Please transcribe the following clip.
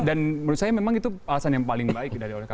dan menurut saya memang itu alasan yang paling baik dari oleh kpk